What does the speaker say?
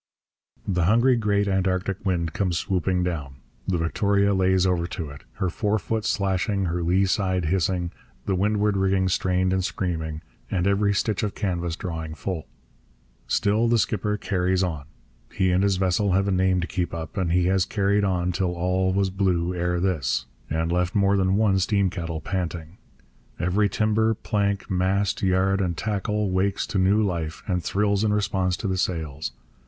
The hungry great Antarctic wind comes swooping down. The Victoria lays over to it, her forefoot slashing, her lee side hissing, the windward rigging strained and screaming, and every stitch of canvas drawing full. Still the skipper carries on. He and his vessel have a name to keep up; and he has carried on till all was blue ere this, and left more than one steam kettle panting. Every timber, plank, mast, yard, and tackle wakes to new life and thrills in response to the sails.